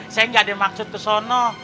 saya gak ada maksud kesana